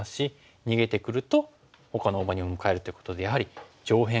逃げてくるとほかの大場に向かえるということでやはり上辺が攻防